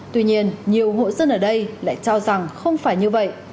tuy nhiên nhiều hộ dân ở đây lại cho rằng không phải như vậy